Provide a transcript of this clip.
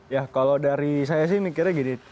ya kalau dari saya sih mikirnya gini